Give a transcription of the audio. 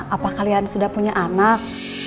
apa kalian sudah punya anak